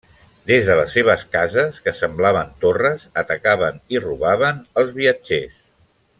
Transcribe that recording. Des de les seves cases, que semblaven torres, atacaven i robaven als viatgers.